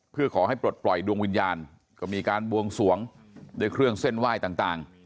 เพื่อขอให้ปลดปล่อยดวงวิญญาณก็มีการบวงสวงด้วยเครื่องเส้นไหว้ต่าง